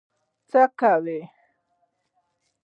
څه وکړی.